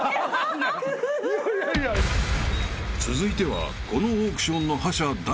［続いてはこのオークションの覇者第３位］